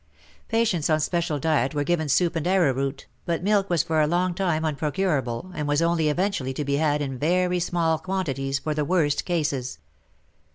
Patients on special diet were given soup and arrowroot, but milk was for a long time unprocurable, and was only eventually to be had in very small quantities for the worst cases.